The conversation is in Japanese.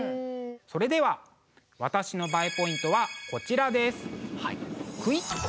それでは私のＢＡＥポイントはこちらです！